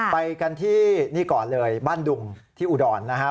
ไปกันที่นี่ก่อนเลยบ้านดุงที่อุดรนะครับ